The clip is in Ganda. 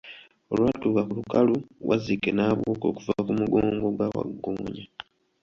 Olwatuuka ku lukalu, Waziike n'abuuka okuva ku mugongo gwa Wagggoonya.